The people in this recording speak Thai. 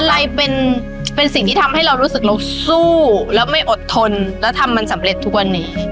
อะไรเป็นสิ่งที่ทำให้เรารู้สึกเราสู้แล้วไม่อดทนแล้วทำมันสำเร็จทุกวันนี้